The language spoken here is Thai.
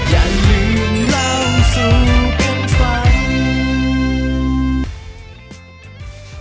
อย่าลืมเราสู่คนฟัง